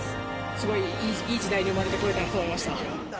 すごいいい時代に生まれてこれたなと思いました。